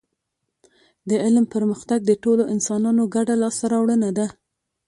د علم پرمختګ د ټولو انسانانو ګډه لاسته راوړنه ده